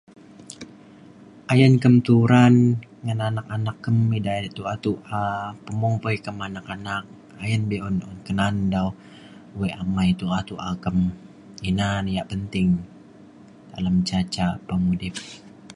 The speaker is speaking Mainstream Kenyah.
ayen kem turan ngan anak anak kem ida tu’a tu’a pemung pa ikem anak anak ayen be’un un kena’an dau wek amai tu’a tu’a kem ina na yak penting dalem ca ca pengudip